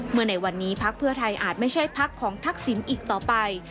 ในวันนี้พักเพื่อไทยอาจไม่ใช่พักของทักษิณอีกต่อไป